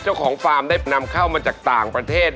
ฟาร์มได้นำเข้ามาจากต่างประเทศ